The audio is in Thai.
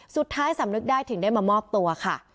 สุดท้ายสำนึกได้ถึงได้มามอบตัวค่ะ